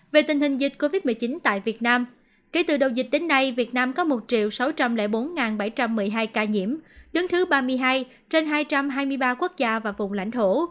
về tình hình dịch covid một mươi chín tại việt nam kể từ đầu dịch đến nay việt nam có một sáu trăm linh bốn bảy trăm một mươi hai ca nhiễm đứng thứ ba mươi hai trên hai trăm hai mươi ba quốc gia và vùng lãnh thổ